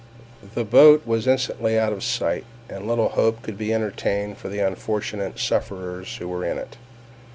The boat was instantly out of sight, and little hope could be entertained for the unfortunate sufferers who were in it.